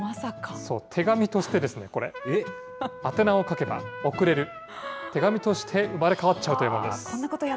そう、手紙としてですね、これ、宛名を書けば送れる、手紙として生まれ変わっちゃうというわけです。